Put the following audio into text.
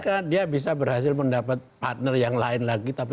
karena dia bisa berhasil mendapat partner yang lain lagi tapi